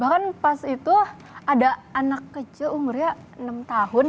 bahkan pas itu ada anak kecil umurnya enam tahun